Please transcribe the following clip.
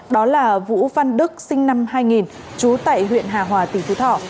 đó là vũ văn đức sinh năm hai nghìn trú tại huyện hà hòa tỉnh phú thọ